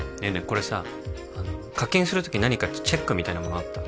これさ課金する時何かチェックみたいなものあった？